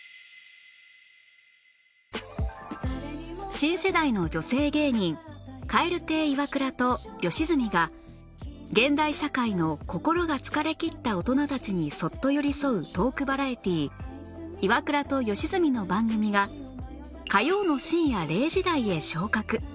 新世代の女性芸人蛙亭イワクラと吉住が現代社会の心が疲れ切った大人たちにそっと寄り添うトークバラエティー『イワクラと吉住の番組』が火曜の深夜０時台へ昇格